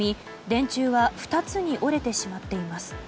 電柱は２つに折れてしまっています。